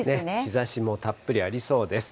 日ざしもたっぷりありそうです。